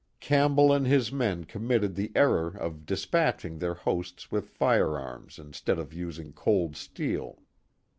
Campbell and his men committed the error of dispatching their hosts with firearms instead of using cold steel.